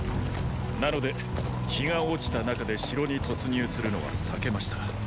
なので日が落ちた中で城に突入するのは避けました。